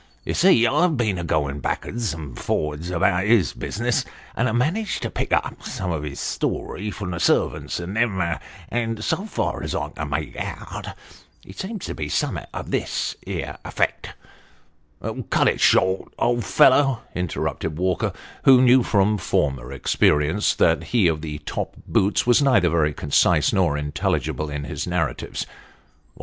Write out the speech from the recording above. You see I've been a going back'ards and for'ards about his business, and ha' managed to pick up some of his story from the servants and them ; and so far as I can make it out, it seems to be summat to this here effect "" Cut it short, old fellow," interrupted Walker, who knew from former experience that he of the top boots was neither very concise nor intelligible in his narratives.